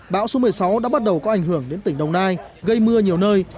bão số một mươi sáu đã bắt đầu có ảnh hưởng đến tỉnh đồng nai gây mưa nhiều nơi